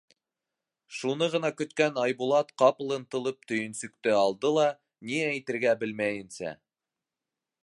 Шуны ғына көткән Айбулат ҡапыл ынтылып төйөнсөктө алды ла, ни әйтергә белмәйенсә: